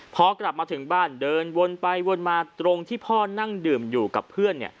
พอกลับมาถึงบ้านเดินวนไปวนมาตรงที่พ่อนั่งดื่มอยู่กับเพื่อน